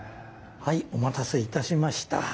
はいお待たせいたしました。